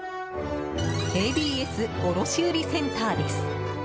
ＡＢＳ卸売センターです。